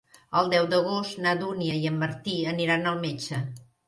El deu d'agost na Dúnia i en Martí aniran al metge.